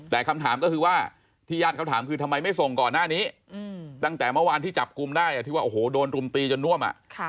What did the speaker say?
แต่คำถามก็คือว่าที่ญาติเขาถามคือทำไมไม่ส่งก่อนหน้านี้ตั้งแต่เมื่อวานที่จับกลุ่มได้ที่ว่าโอ้โหโดนรุมตีจนน่วม